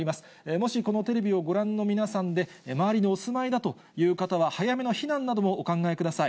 もしこのテレビをご覧の皆さんで、周りでお住まいだという方は、早めの避難などもお考えください。